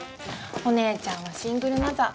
お姉ちゃんはシングルマザー